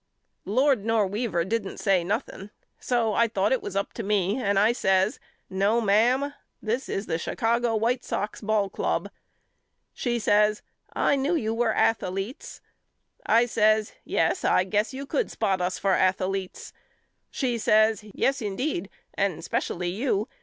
Lord nor Weaver didn't say noth ing so I thought it was up to me and I says No mam this is the Chicago White Sox Ball Club. She says I knew you were athaletes. I says Yes I guess you could spot us for athaletes. She says Yes indeed and specially you.